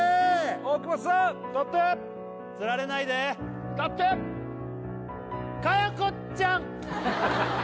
大久保さん歌ってつられないで歌って佳代子ちゃん！